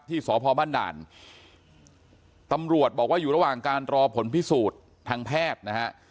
ที่สพบ้านด่านตำรวจบอกว่าอยู่ระหว่างการรอผลพิสูจน์ทางแพทย์นะฮะ